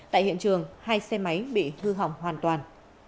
tại hiện trường hai xe máy bị hư hỏng hoàn toàn